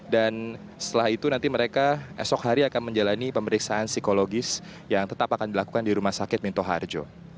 dan setelah itu nanti mereka esok hari akan menjalani pemeriksaan psikologis yang tetap akan dilakukan di rumah sakit minto harjo